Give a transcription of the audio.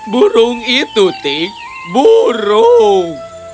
burung itu tik burung